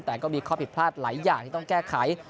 แต่ก็มีข้อผิดพลาดหลายอย่างที่ต้องแก้ไข